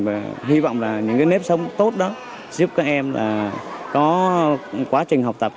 và hy vọng là những nếp sống tốt đó sẽ giúp các em có quá trình học tập